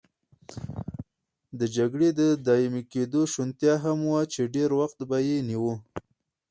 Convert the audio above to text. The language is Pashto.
د جګړې د دایمي کېدو شونتیا هم وه چې ډېر وخت به یې نیوه.